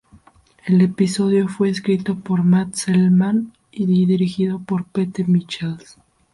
El episodio fue escrito por Matt Selman y dirigido por Pete Michels.